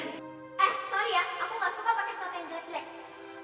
eh sorry ya aku nggak suka pakai sepatu yang jelek jelek